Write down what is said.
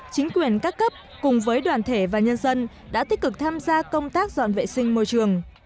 chính quyền các cấp cùng với đoàn thể và nhân dân đã tích cực tham gia công tác dọn vệ sinh môi trường